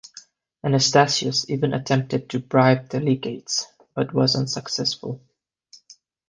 Anastasius even attempted to bribe the legates, but was unsuccessful.